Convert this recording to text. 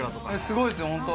すごいですよホント。